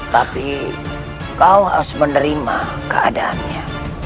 tapi kau harus menerima keadaannya